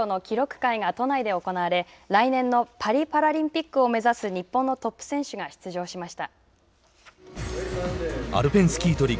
パラ陸上の記録会が都内で行われ来年のパリパラリンピックを目指す日本のトップ選手が出場しました。